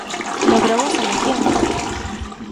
Logrou a salvación.